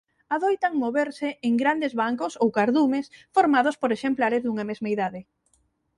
Adoitan moverse en grandes bancos ou cardumes formados por exemplares dunha mesma idade.